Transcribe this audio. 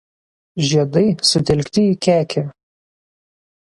Žiedai sutelkti į kekę.